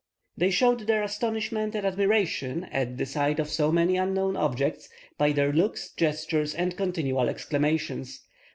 They showed their astonishment and admiration, at the sight of so many unknown objects, by their looks, gestures, and continual exclamations.